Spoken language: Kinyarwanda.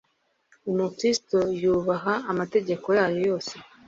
umukristo yubaha amategeko yayo yose